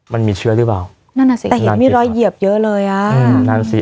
มันมีเชื้อหรือเปล่านั่นน่ะสิแต่เห็นมีรอยเหยียบเยอะเลยอ่ะอืมนั่นสิ